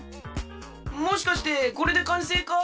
もしかしてこれでかんせいか！？